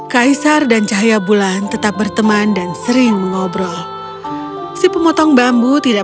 kaisar dan cahaya bulan tetap berteman dan sering mengobrol si pemotong bambu tidak